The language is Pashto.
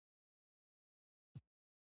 بيا فارمولې ته ضرورت نشته.